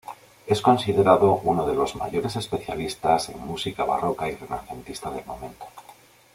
Es considerado uno de los mayores especialistas en música barroca y renacentista del momento.